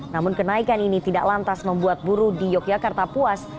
namun kenaikan ini tidak lantas membuat buruh di yogyakarta puas